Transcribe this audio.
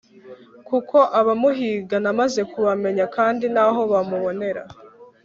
kuko abamuhiga namaze kubamenya kandi ntaho bamubonera